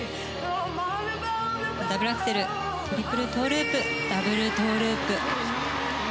ダブルアクセルトリプルトウループダブルトウループ。